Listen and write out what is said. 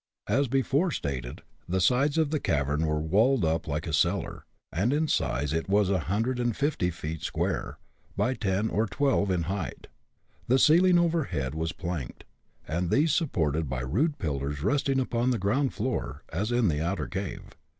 As before stated, the sides of the cavern were walled up like a cellar; and in size it was a hundred and fifty feet square, by ten or twelve in height. The ceiling overhead was planked, and these supported by rude pillars resting upon the ground floor, as in the outer cave.